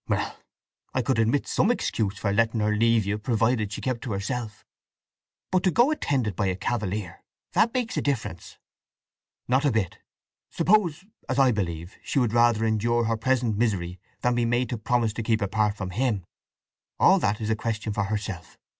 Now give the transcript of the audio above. "Well, I could admit some excuse for letting her leave you, provided she kept to herself. But to go attended by a cavalier—that makes a difference." "Not a bit. Suppose, as I believe, she would rather endure her present misery than be made to promise to keep apart from him? All that is a question for herself.